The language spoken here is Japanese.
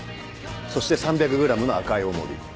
そして３００ｇの赤い重り